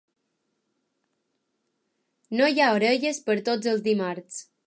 No hi ha orelles per tots els dimarts.